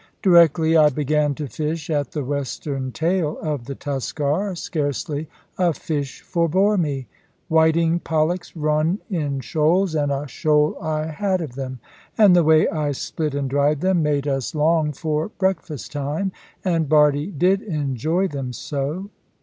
Directly I began to fish at the western tail of the Tuskar, scarcely a fish forebore me. Whiting pollacks run in shoals, and a shoal I had of them; and the way I split and dried them made us long for breakfast time. And Bardie did enjoy them so.